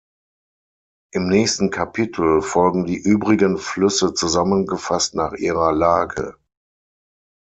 Im nächsten Kapitel folgen die übrigen Flüsse zusammengefasst nach ihrer Lage.